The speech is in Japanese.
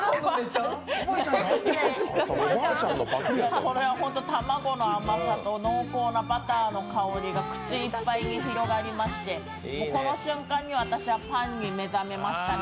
これは卵の甘さと濃厚なバターの味が口いっぱいに広がりまして、私はこの瞬間にパンに目覚めましたね。